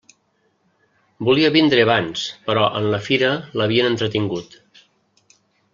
Volia vindre abans però en la fira l'havien entretingut.